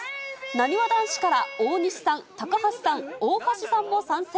なにわ男子から、大西さん、高橋さん、大橋さんも参戦。